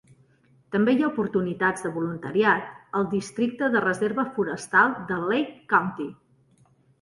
També hi ha oportunitats de voluntariat al Districte de Reserva Forestal de Lake County.